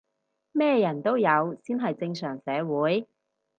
咩人都有先係正常社會